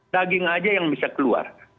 daging aja yang bisa keluar